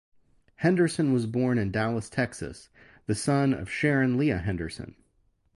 Henderson was born in Dallas, Texas, the son of Sharon Lea Henderson.